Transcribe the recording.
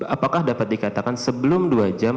apakah dapat dikatakan sebelum dua jam